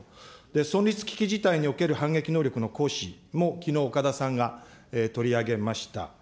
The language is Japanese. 存立危機事態における反撃能力の行使も、きのう、岡田さんが取り上げました。